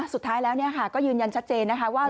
สุดท้ายแล้วก็ยืนยันชัดเจนนะคะว่า